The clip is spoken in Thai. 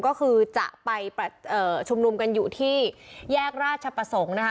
ก็คือจะไปชุมนุมกันอยู่ที่แยกราชประสงค์นะคะ